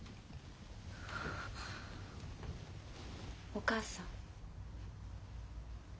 お母さん。